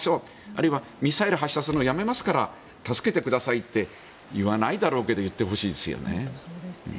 あるいはミサイル発射するのやめますから助けてくださいって言わないだろうけど言ってほしいですよね。